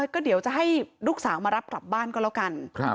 ก็เดี๋ยวจะให้ลูกสาวมารับกลับบ้านก็แล้วกัน